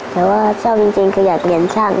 แต่ว่าชอบจริงคืออยากเรียนช่าง